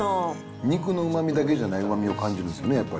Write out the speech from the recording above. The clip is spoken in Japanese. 肉のうまみだけじゃないうまみを感じますよね、やっぱり。